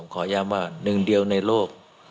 ขอย้ำว่าหนึ่งเดียวในโลก